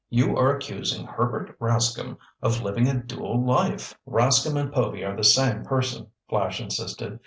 "You are accusing Herbert Rascomb of living a dual life!" "Rascomb and Povy are the same person," Flash insisted.